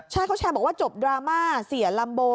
ใช่เขาแชร์บอกว่าจบดราม่าเสียลัมโบ